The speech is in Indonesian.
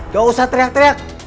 gak usah teriak teriak